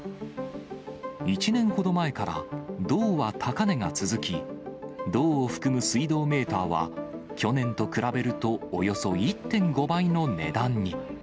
１年ほど前から、銅は高値が続き、銅を含む水道メーターは、去年と比べるとおよそ１．５倍の値段に。